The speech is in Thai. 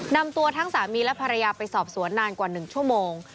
นำตัวทั้งสามีและภรรยาไปสอบสวนนานกว่า๑ชั่วโมง